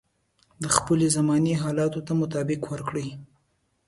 د خپلې زمانې حالاتو ته مطابقت ورکړي.